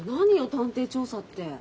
探偵調査って？